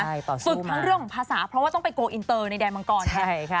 ฝึกทั้งเรื่องของภาษาเพราะว่าต้องไปโกลอินเตอร์ในแดนมังกรค่ะ